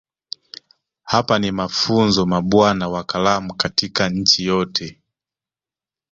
Hapa ni mafunzo mabwana wa kalamu katika nchi yote